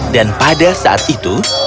dan pada saat itu